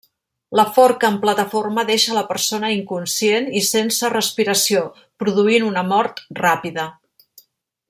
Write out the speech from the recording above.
La forca amb plataforma deixa la persona inconscient i sense respiració, produint una mort ràpida.